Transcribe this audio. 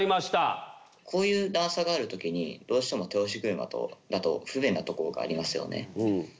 こういう段差がある時にどうしても手押し車だと不便なところがありますよね。